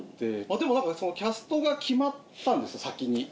でもキャストが決まったんですよ先に。